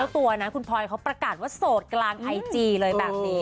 ตัวนะคุณพลอยเขาประกาศว่าโสดกลางไอจีเลยแบบนี้